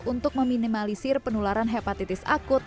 untuk meminimalisir penularan hepatitis akut